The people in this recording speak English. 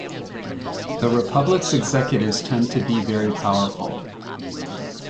The republics' executives tend to be very powerful.